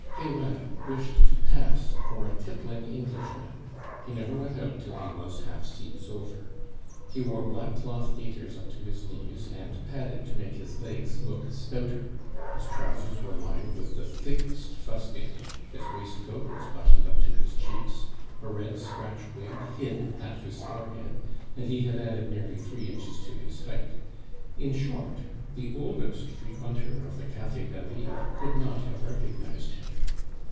Peyrade wished to pass for a tippling Englishman; he never went out till he was half seas over. He wore black cloth gaiters up to his knees, and padded to make his legs look stouter; his trousers were lined with the thickest fustian; his waistcoat was buttoned up to his cheeks; a red scratch wig hid half his forehead, and he had added nearly three inches to his height; in short, the oldest frequenter of the Cafe David could not have recognized him.